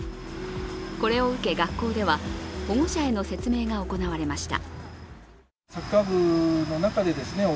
これを受け学校では、保護者への説明が行われました。